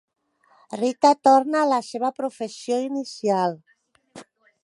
Rita torna a la seva professió inicial.